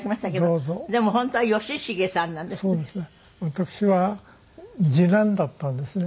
私は次男だったんですね